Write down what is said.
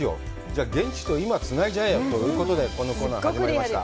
じゃあ、現地と今、つないじゃえよ！ということでこのコーナー始まりました。